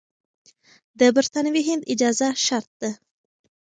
د برتانوي هند اجازه شرط ده.